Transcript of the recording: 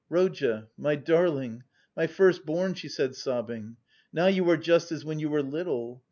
"Rodya, my darling, my first born," she said sobbing, "now you are just as when you were little.